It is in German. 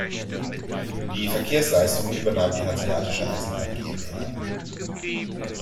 Die Verkehrsleistungen übernahm die Hanseatische Eisenbahn GmbH.